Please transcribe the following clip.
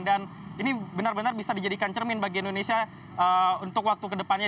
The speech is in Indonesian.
dan ini benar benar bisa dijadikan cermin bagi indonesia untuk waktu ke depannya